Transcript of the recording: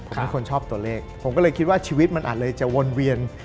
ผมเป็นคนชอบตัวเลขผมก็เลยคิดว่าชีวิตมันอาจเลยจะวนเวียน